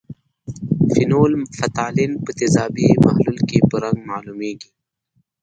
فینول فتالین په تیزابي محلول کې په رنګ معلومیږي.